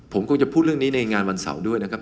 ผมคงจะพูดเรื่องนี้ในงานวันเสาร์ด้วยนะครับ